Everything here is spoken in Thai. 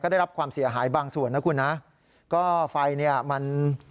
ได้รับความเสียหายบางส่วนนะคุณนะก็ไฟเนี่ยมัน